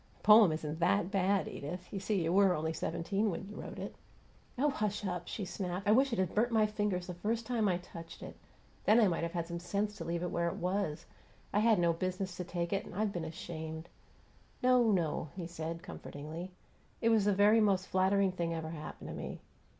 "The poem isn't THAT bad, Edith. You see, you were only seventeen when you wrote it." "Oh, hush up!" she snapped. "I wish it had burnt my fingers the first time I touched it. Then I might have had sense enough to leave it where it was. I had no business to take it, and I've been ashamed " "No, no," he said, comfortingly. "It was the very most flattering thing ever happened to me.